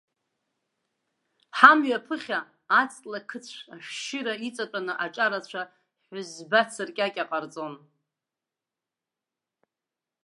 Ҳамҩа аԥыхьа, аҵла қыцә ашәшьыра иҵатәаны аҿарацәа ҳәызбаҵыркьакьа ҟарҵон.